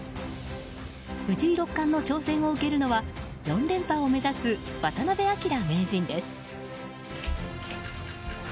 藤井六冠の挑戦を受けるのは４連覇を目指す渡辺明名人です。